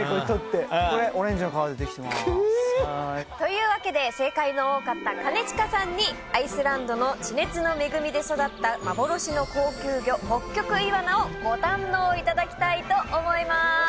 取って。というわけで正解の多かった兼近さんにアイスランドの地熱の恵みで育った幻の高級魚ホッキョクイワナをご堪能いただきたいと思います。